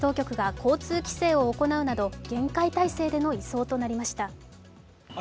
現地当局が交通規制を行うなど厳戒態勢での移送となりました。